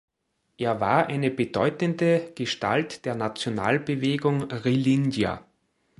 Er war eine bedeutende Gestalt der Nationalbewegung Rilindja.